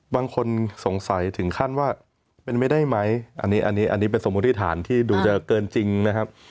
บางคนสงสัยถึงขั้นว่าเป็นไปได้ไหมอันนี้อันนี้เป็นสมมุติฐานที่ดูจะเกินจริงนะครับ